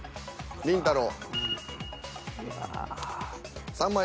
りんたろー。。